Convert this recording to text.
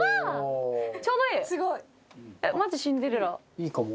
いいかも。